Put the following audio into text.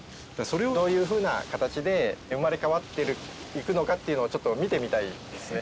どういうふうな形で生まれ変わっていくのかっていうのをちょっと見てみたいですね。